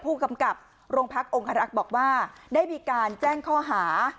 ผู้กำกับโรงพักองคารักษ์บอกว่าได้มีการแจ้งข้อหา